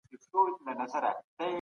تاسو د غريبانو سره احسان وکړئ.